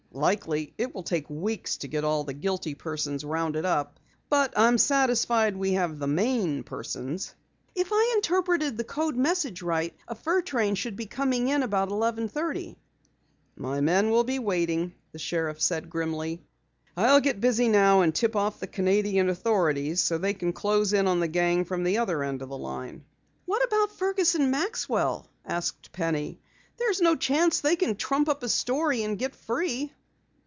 Likely it will take weeks to get all of the guilty persons rounded up. But I'm satisfied we have the main persons." "If I interpreted the code message right, a fur train should be coming in about eleven thirty." "My men will be waiting," the sheriff said grimly. "I'll get busy now and tip off the Canadian authorities, so they can close in on the gang from the other end of the line." "What about Fergus and Maxwell?" asked Penny. "There's no chance they can trump up a story and get free?"